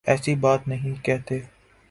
ایسی بات نہیں کہتے